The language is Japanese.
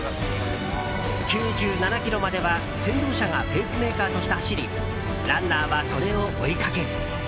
９７ｋｍまでは先導車がペースメーカーとして走りランナーはそれを追いかける。